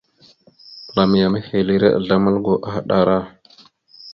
Məlam ya mehelire azlam algo ahəɗara.